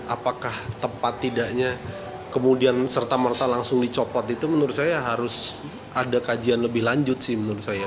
apakah tepat tidaknya kemudian serta merta langsung dicopot itu menurut saya harus ada kajian lebih lanjut sih menurut saya